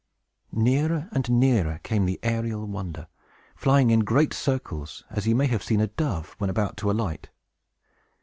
Nearer and nearer came the aerial wonder, flying in great circles, as you may have seen a dove when about to alight.